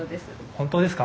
本当ですか？